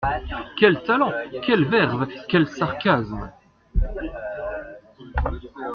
Quel talent ! quelle verve ! quel sarcasme !